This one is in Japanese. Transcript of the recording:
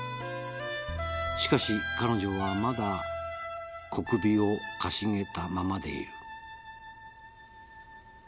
「しかし彼女はまだ小首を傾げたままでいる」